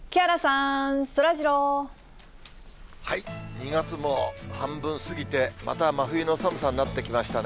２月も半分過ぎて、また真冬の寒さになってきましたね。